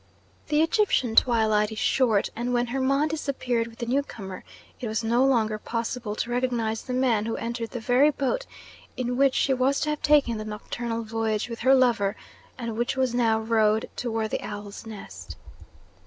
The Egyptian twilight is short, and when Hermon disappeared with the new comer it was no longer possible to recognise the man who entered the very boat in which she was to have taken the nocturnal voyage with her lover, and which was now rowed toward the Owl's Nest.